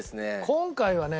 今回はね